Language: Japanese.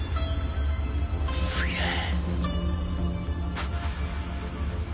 すげえ。